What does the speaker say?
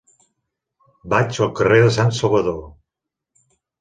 Vaig al carrer de Sant Salvador.